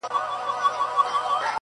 ستا د مړو سترګو کاته زما درمان سي-